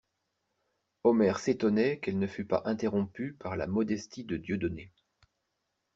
Omer s'étonnait qu'elle ne fût pas interrompue par la modestie de Dieudonné.